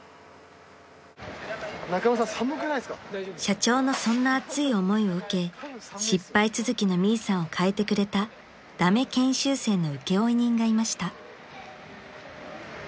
［社長のそんな熱い思いを受け失敗続きのミイさんを変えてくれた駄目研修生の請負人がいました］